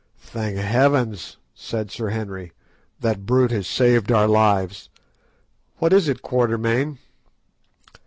"Thank Heaven!" said Sir Henry; "that brute has saved our lives. What is it, Quatermain?"